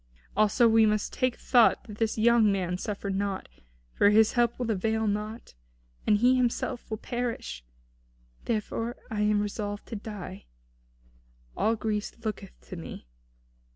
Also we must take thought that this young man suffer not, for his help will avail naught, and he himself will perish. Therefore I am resolved to die. All Greece looketh to me.